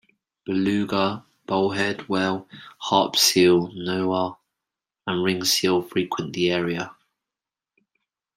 Beluga, bowhead whale, harp seal, narwhal, and ringed seal frequent the area.